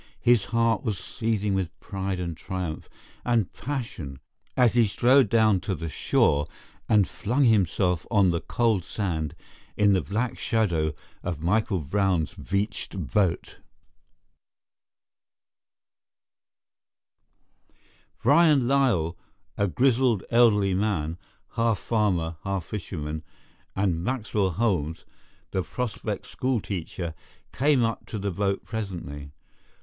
His heart was seething with pride and triumph and passion as he strode down to the shore and flung himself on the cold sand in the black shadow of Michael Brown's beached boat. Byron Lyall, a grizzled, elderly man, half farmer, half fisherman, and Maxwell Holmes, the Prospect schoolteacher, came up to the boat presently.